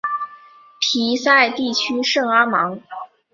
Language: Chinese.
皮赛地区圣阿芒。